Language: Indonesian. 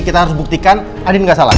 kita harus buktikan andien gak salah